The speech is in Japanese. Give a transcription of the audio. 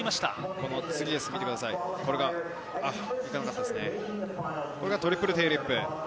これはトリプルテールウィップ。